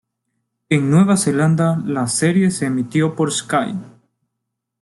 En Nueva Zelanda, la serie se emitió por Sky.